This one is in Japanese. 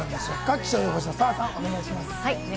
気象予報士の澤さん、お願いします。